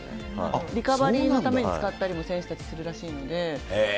リカバリーのために使ったりも選手たち、するらしいので。